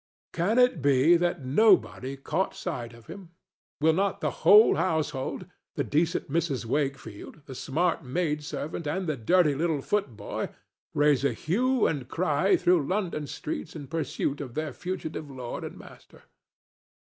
Can it be that nobody caught sight of him? Will not the whole household—the decent Mrs. Wakefield, the smart maid servant and the dirty little footboy—raise a hue and cry through London streets in pursuit of their fugitive lord and master?